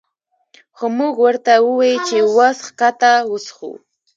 خو مونږ ورته ووې چې وس ښکته وڅښو